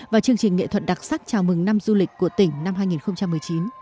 và chương trình nghệ thuật đặc sắc chào mừng năm du lịch của tỉnh năm hai nghìn một mươi chín